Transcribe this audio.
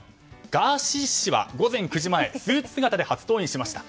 ガーシー氏は午前９時前スーツ姿で初登院しました。